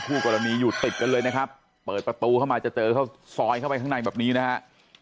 คู่กรณีอยู่ติดกันเลยนะครับเปิดประตูเข้ามาจะเจอเข้าซอยเข้าไปข้างในแบบนี้นะฮะ